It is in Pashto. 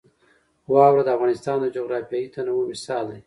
واوره د افغانستان د جغرافیوي تنوع مثال دی.